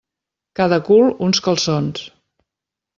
Cada cul, uns calçons.